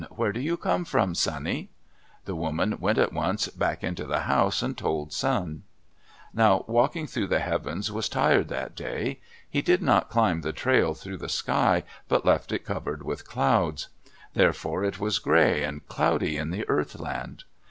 Where do you come from, sonny?" The woman went at once back into the house and told Sun. Now Walking through the Heavens was tired that day. He did not climb the trail through the sky, but left it covered with clouds. Therefore it was gray and cloudy in the Earth Land.